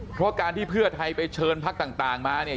เพราะการที่เพื่อไทยไปเชิญพักต่างมาเนี่ย